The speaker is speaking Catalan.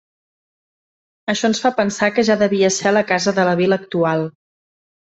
Això ens fa pensar que ja devia ser la casa de la vila actual.